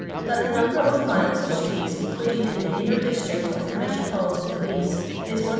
that the nam bar of miles of streets included in the Inner Dis trict of the Metropolitan Police is 1750.